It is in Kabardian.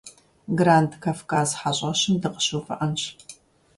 Гранд Кавказ хьэщӏэщым дыкъыщыувыӏэнщ.